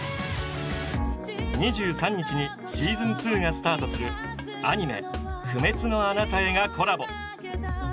２３日にシーズン２がスタートするアニメ「不滅のあなたへ」がコラボ！